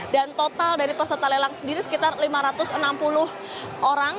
dan total dari peserta lelang sendiri sekitar lima ratus enam puluh orang